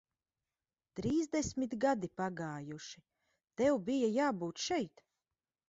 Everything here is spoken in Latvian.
Trīsdesmit gadi pagājuši, tev bija jābūt šeit.